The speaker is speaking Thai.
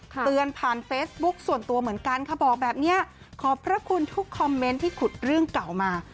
เตือนผ่านเฟซบุ๊คส่วนตัวเหมือนกันค่ะบอกแบบนี้ขอบพระคุณทุกคอมเมนต์ที่ขุดเรื่องเก่ามา